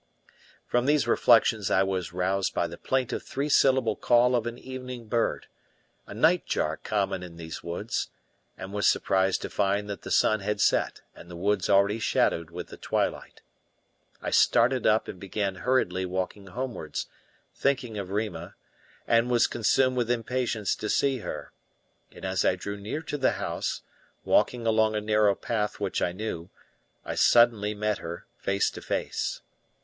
From these reflections I was roused by the plaintive three syllable call of an evening bird a nightjar common in these woods; and was surprised to find that the sun had set, and the woods already shadowed with the twilight. I started up and began hurriedly walking homewards, thinking of Rima, and was consumed with impatience to see her; and as I drew near to the house, walking along a narrow path which I knew, I suddenly met her face to face.